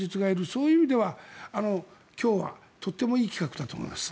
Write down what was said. そういう意味では、今日はとってもいい企画だと思います。